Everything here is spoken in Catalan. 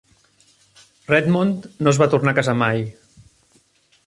Redmond no es va tornar a casar mai.